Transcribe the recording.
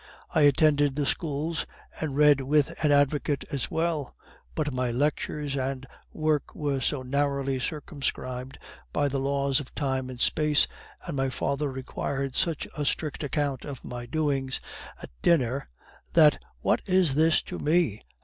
I attended the Schools, and read with an advocate as well, but my lectures and work were so narrowly circumscribed by the laws of time and space, and my father required such a strict account of my doings, at dinner, that..." "What is this to me?"